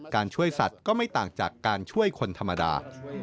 ช่วยสัตว์ก็ไม่ต่างจากการช่วยคนธรรมดา